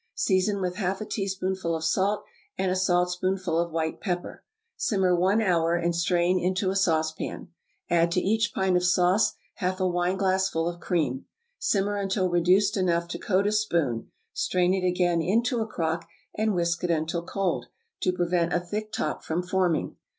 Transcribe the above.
Season with half a teaspoonful of salt and a saltspoonful of white pepper. Simmer one hour, and strain into a saucepan. Add to each pint of sauce half a wineglassful of cream. Simmer until reduced enough to coat a spoon; strain it again into a crock, and whisk it until cold, to prevent a thick top from forming.